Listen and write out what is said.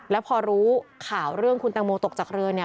แล้วพอรู้ข่าวเรื่องคุณตังโมตกจากเรือเนี่ย